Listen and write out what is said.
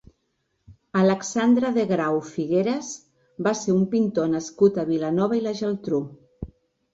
Alexandre de Grau Figueras va ser un pintor nascut a Vilanova i la Geltrú.